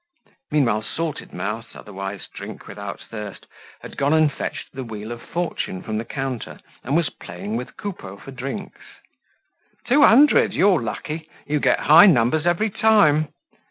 Meanwhile Salted Mouth, otherwise Drink without Thirst, had gone and fetched the wheel of fortune from the counter, and was playing with Coupeau for drinks. "Two hundred! You're lucky; you get high numbers every time!"